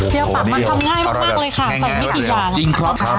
เพียบปะมันทำง่ายมากเลยค่ะส่วนไม่กี่กลาง